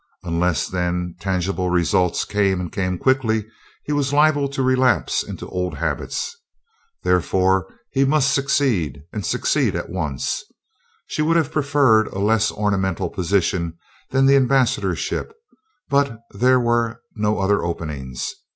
Unless, then, tangible results came and came quickly, he was liable to relapse into old habits. Therefore he must succeed and succeed at once. She would have preferred a less ornamental position than the ambassadorship, but there were no other openings.